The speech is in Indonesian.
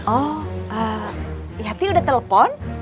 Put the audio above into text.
oh yati udah telepon